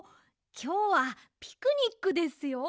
きょうはピクニックですよ。